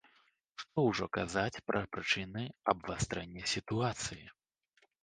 Што ўжо казаць пра прычыны абвастрэння сітуацыі?